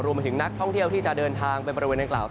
มาถึงนักท่องเที่ยวที่จะเดินทางไปบริเวณอังกล่าว